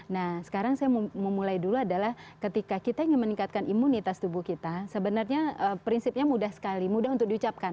nah sekarang saya mau mulai dulu adalah ketika kita ingin meningkatkan imunitas tubuh kita sebenarnya prinsipnya mudah sekali mudah untuk diucapkan